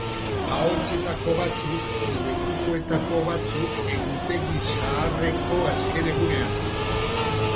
Ahotsetako batzuk, lekukoetako batzuk egutegi zaharreko azken egunean.